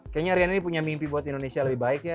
kayaknya riana ini punya mimpi buat indonesia lebih baik ya